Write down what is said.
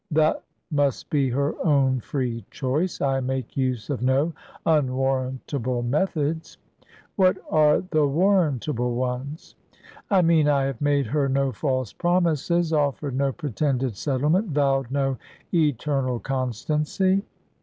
"That must be her own free choice I make use of no unwarrantable methods." "What are the warrantable ones?" "I mean, I have made her no false promises; offered no pretended settlement; vowed no eternal constancy."